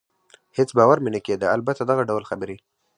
هېڅ باور مې نه کېده، البته دغه ډول خبرې.